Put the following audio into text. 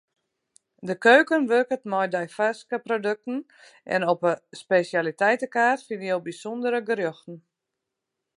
De keuken wurket mei deifarske produkten en op 'e spesjaliteitekaart fine jo bysûndere gerjochten.